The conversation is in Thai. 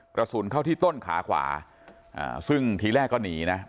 กระสุนเข้าที่ต้นขาขวาซึ่งทีแรกก็หนีนะ